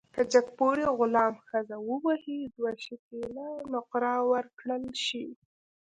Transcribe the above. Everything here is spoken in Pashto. که جګپوړي غلام ښځه ووهي، دوه شِکِله نقره ورکړل شي.